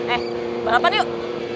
eh balapan yuk